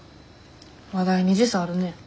話題に時差あるね。